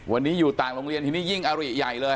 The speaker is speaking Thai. วันนี้อยู่ต่างโรงเรียนทีนี้ยิ่งอาริใหญ่เลย